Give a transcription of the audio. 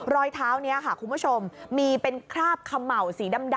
รอยเท้านี้ค่ะคุณผู้ชมมีเป็นคราบเขม่าวสีดำ